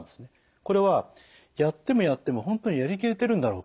これはやってもやっても本当にやりきれてるんだろうか。